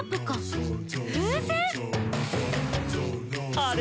「あれ？